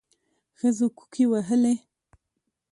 ښځو کوکي وهلې.